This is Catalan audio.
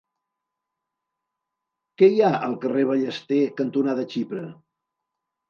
Què hi ha al carrer Ballester cantonada Xipre?